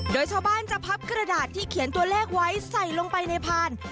โดยชาวบ้านจะพับกระดาษที่เขียนตัวเลขไว้ใส่ลงไปในพาน